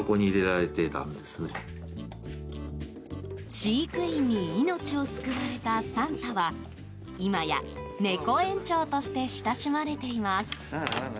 飼育員に命を救われたさんたは今や猫園長として親しまれています。